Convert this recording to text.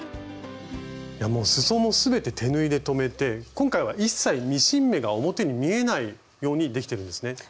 もうすそも全て手縫いで留めて今回は一切ミシン目が表に見えないようにできてるんですね。